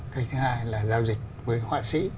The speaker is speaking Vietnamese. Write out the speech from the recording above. cách thứ hai là giao dịch với họa sĩ